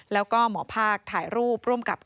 เป็นเกิดที่จะต้องเชื่อว่าทุกแรกเนี่ย